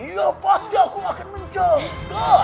ya pasti aku akan menjaga